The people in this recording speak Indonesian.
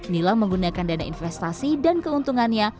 nila menggunakan dana investasi dan keuntungannya